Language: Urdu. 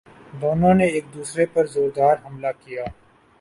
دونوں نے ایک دوسرے پرزوردار حملہ کیا